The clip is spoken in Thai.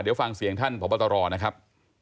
เดี๋ยวฟังเสียงท่านพบตรนะครับ